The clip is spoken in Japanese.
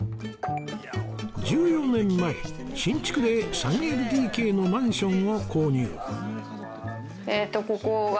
１４年前新築で ３ＬＤＫ のマンションを購入